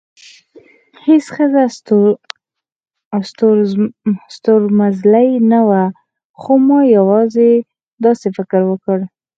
هېڅ ښځینه ستورمزلې نه وه، خو ما یوازې داسې فکر وکړ،